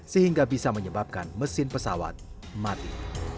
sehingga bisa menyebabkan mesin pesawat mati